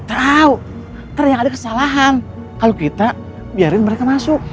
tidak tahu ternyata ada kesalahan kalau kita biarkan mereka masuk